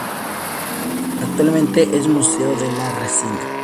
Actualmente es museo de la resina.